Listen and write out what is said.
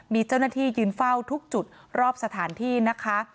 มีเจ้าหน้าที่ยืนเฝ้าทุกจุดรอบสถานที่นะคะ